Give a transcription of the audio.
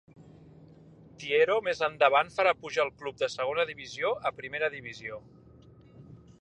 Tiero més endavant farà pujar el club de segona divisió a primera divisió.